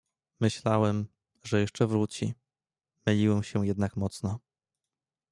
"Myślałem, że jeszcze wróci, myliłem się jednak mocno."